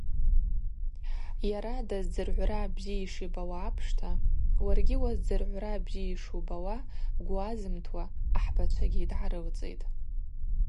Йара даздзыргӏвра бзи йшибауа апшта уаргьи уаздзыргӏвра бзи йшубауа гвы азымтуа ахӏбачвагьи дгӏарылцӏитӏ.